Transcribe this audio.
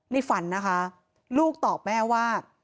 ฝันนะคะลูกตอบแม่ว่า